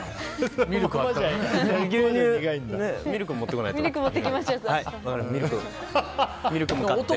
ミルクも持ってこないとね。